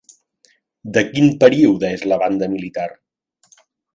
De quin període és la banda militar?